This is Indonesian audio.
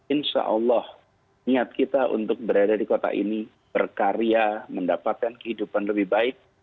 insya allah niat kita untuk berada di kota ini berkarya mendapatkan kehidupan lebih baik